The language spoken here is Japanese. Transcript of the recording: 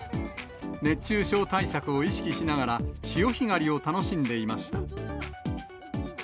熱中症対策を意識しながら、潮干狩りを楽しんでいました。